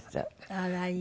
あらいい。